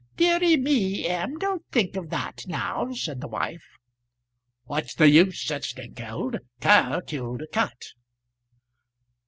"Deary me, M.; don't think of that now," said the wife. "What's the use?" said Snengkeld. "Care killed a cat."